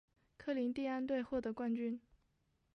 科林蒂安队获得冠军。